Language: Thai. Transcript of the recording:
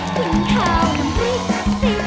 กินข้าวน้ำพริกสิ